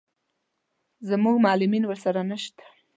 زموږ معلمین ورسره نه شته.